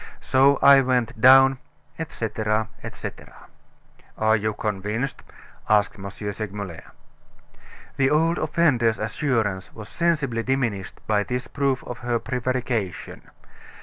So I went down," etc., etc. "Are you convinced?" asked M. Segmuller. The old offender's assurance was sensibly diminished by this proof of her prevarication.